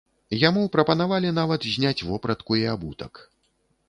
Яму прапанавалі нават зняць вопратку і абутак.